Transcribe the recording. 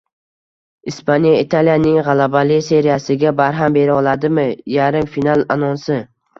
Ispaniya Italiyaning g‘alabali seriyasiga barham bera oladimi? Yarimfinal anonsi